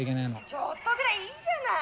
「ちょっとぐらいいいじゃない！